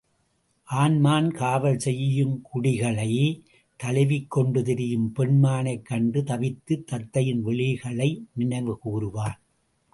ஆண்மான் காவல் செய்யக் குட்டிகளைத் தழுவிக் கொண்டு திரியும் பெண்மானைக் கண்டு தவித்து, தத்தையின் விழிகளை நினைவு கூருவான்.